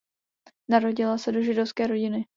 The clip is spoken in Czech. Narodila se do židovské rodiny.